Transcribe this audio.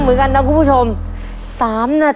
ครอบครัวของแม่ปุ้ยจังหวัดสะแก้วนะครับ